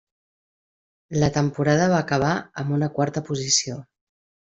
La temporada va acabar amb una quarta posició.